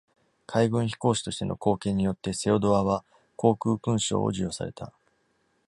海軍飛行士としての貢献によって、セオドアは航空勲章を授与された。